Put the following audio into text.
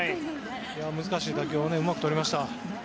難しい打球をうまくとりました。